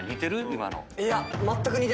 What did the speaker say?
今の。